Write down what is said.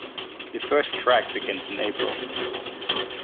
The first track begins in April.